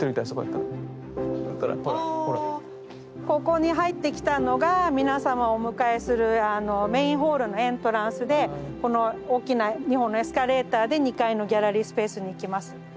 ここに入ってきたのが皆様をお迎えするメインホールのエントランスでこの大きな２本のエスカレーターで２階のギャラリースペースに行きます。